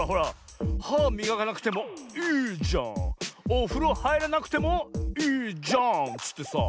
はみがかなくてもいいじゃんおふろはいらなくてもいいじゃんっつってさ。